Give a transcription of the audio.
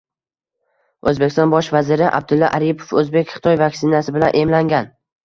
O‘zbekiston bosh vaziri Abdulla Aripov o‘zbek-xitoy vaksinasi bilan emlangan